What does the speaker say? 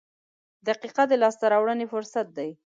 • دقیقه د لاسته راوړنې فرصت دی.